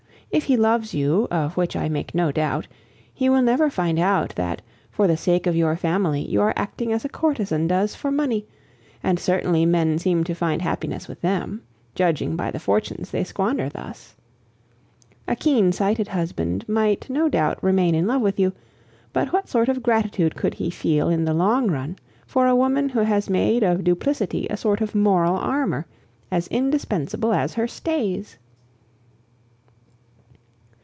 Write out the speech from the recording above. If he loves you, of which I make no doubt, he will never find out, that, for the sake of your family, you are acting as a courtesan does for money; and certainly men seem to find happiness with them, judging by the fortunes they squander thus. A keen sighted husband might no doubt remain in love with you, but what sort of gratitude could he feel in the long run for a woman who had made of duplicity a sort of moral armor, as indispensable as her stays?